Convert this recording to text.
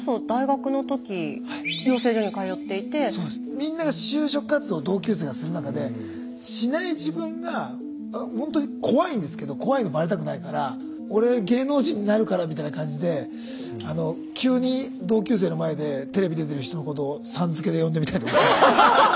みんなが就職活動同級生がする中でしない自分がほんとに怖いんですけど怖いのバレたくないから俺芸能人になるからみたいな感じで急に同級生の前でテレビ出てる人のことをさん付けで呼んでみたりとか。